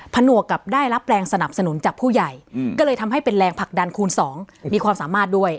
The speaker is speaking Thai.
หนวกกับได้รับแรงสนับสนุนจากผู้ใหญ่ก็เลยทำให้เป็นแรงผลักดันคูณ๒มีความสามารถด้วย